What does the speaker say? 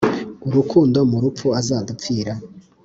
urukundo Mu rupfu azadupfira